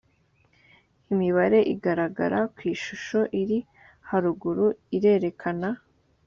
imibare igaragara ku ishusho iri haruguru irerekana